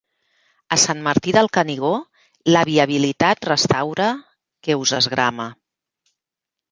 A Sant Martí del Canigó la viabilitat restaura que us esgrama.